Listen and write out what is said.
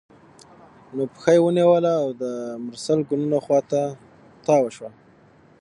نو پښه یې ونیوله او د مرسل ګلونو خوا ته تاوه شوه.